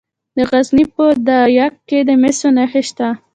د غزني په ده یک کې د مسو نښې شته.